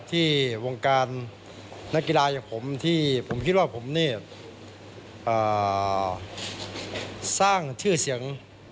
ที่วงการนักกีฬาอย่างผมที่ผมคิดว่าผมนี่สร้างชื่อเสียง